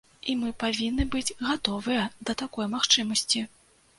І мы павінны быць гатовыя да такой магчымасці.